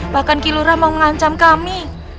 bahkan kilurah mau ngancam kami